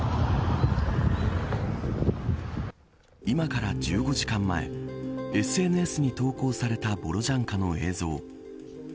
今から１５時間前ＳＮＳに投稿されたボロジャンカの映像。